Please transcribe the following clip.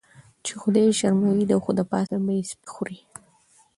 چی خدای یی شرموي داوښ دپاسه به یی سپی وخوري .